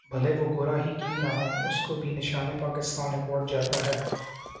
بھلے وہ گورا ہی کیوں نہ ہو اسکو بھی نشان پاکستان ایوارڈ جاتا ہے